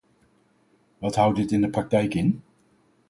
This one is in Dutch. Wat houdt dit in de praktijk in?